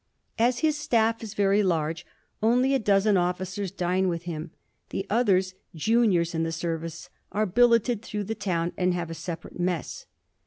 As his staff is very large, only a dozen officers dine with him. The others, juniors in the service, are billeted through the town and have a separate mess.